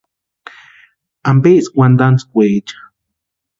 ¿Ampeski wantantskwaecha?